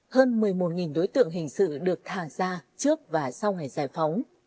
hơn một mươi một đối tượng hình sự được thả ra trước và sau ngày giải phóng